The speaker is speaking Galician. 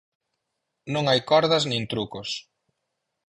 Non hai cordas nin trucos.